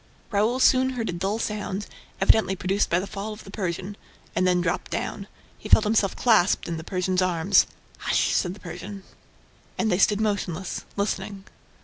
Raoul soon heard a dull sound, evidently produced by the fall of the Persian, and then dropped down. He felt himself clasped in the Persian's arms. "Hush!" said the Persian. And they stood motionless, listening.